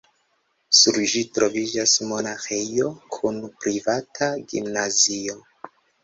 Sur ĝi troviĝas monaĥejo kun privata gimnazio.